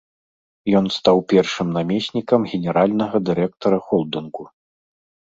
Ён стаў першым намеснікам генеральнага дырэктара холдынгу.